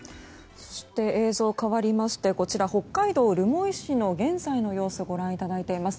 映像かわりましてこちら、北海道留萌市の現在の様子ご覧いただいています。